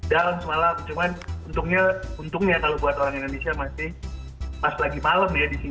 down semalam cuman untungnya kalau buat orang indonesia masih pas lagi malam ya di sini